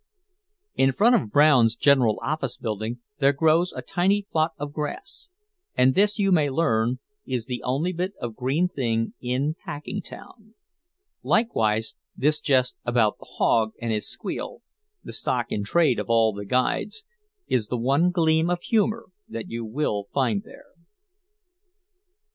In front of Brown's General Office building there grows a tiny plot of grass, and this, you may learn, is the only bit of green thing in Packingtown; likewise this jest about the hog and his squeal, the stock in trade of all the guides, is the one gleam of humor that you will find there.